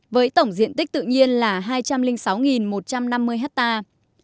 với tổng diện tích tự nhiên là hai trăm linh sáu một trăm năm mươi hectare